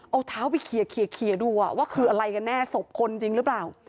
เอาเท้าไปเคลียร์ดูว่าคืออะไรกันแน่ศพคนจริงหรือเปล่า